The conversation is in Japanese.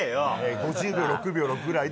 ５０秒６秒６ぐらいで。